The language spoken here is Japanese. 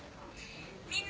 みんな。